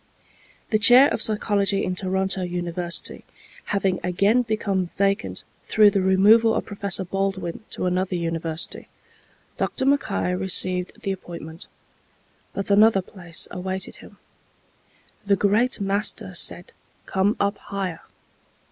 The chair of Psychology in Toronto University, having again become vacant through the removal of Professor Baldwin to another university, Dr. Mackay received the appointment. But another place awaited him. The Great Master said, "Come up higher."